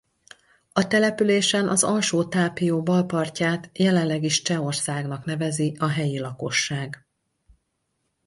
A településen az Alsó-Tápió bal partját jelenleg is Csehországnak nevezi a helyi lakosság.